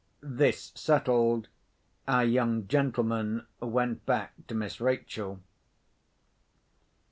This settled, our young gentleman went back to Miss Rachel.